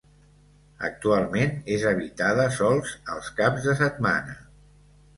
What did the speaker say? Actualment és habitada sols els caps de setmana.